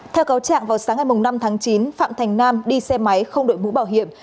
theo cáo trạng vào sáng ngày năm tháng chín phạm thành nam đi xe máy không đội mũ bảo hiểm